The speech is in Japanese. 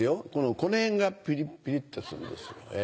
この辺がピリっピリっとするんですよ。